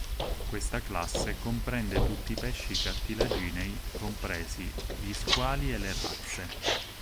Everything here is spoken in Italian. Questa classe comprende tutti i pesci cartilaginei, compresi gli squali e le razze.